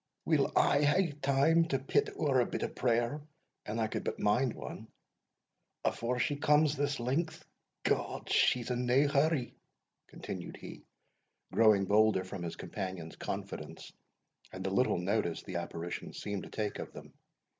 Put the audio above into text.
"We'll aye hae time to pit ower a bit prayer (an I could but mind ane) afore she comes this length God! she's in nae hurry," continued he, growing bolder from his companion's confidence, and the little notice the apparition seemed to take of them.